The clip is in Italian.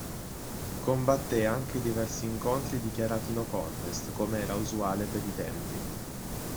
Combatté anche diversi incontri dichiarati "No Contest", come era usuale per i tempi.